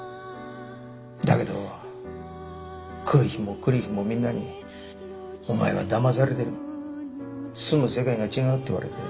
だけど来る日も来る日もみんなに「お前はだまされてる」「住む世界が違う」って言われて。